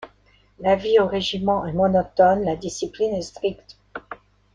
La vie au régiment est monotone, la discipline est stricte.